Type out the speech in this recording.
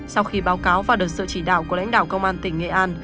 sau khi báo cáo và được sự chỉ đạo của lãnh đạo công an tỉnh nghệ an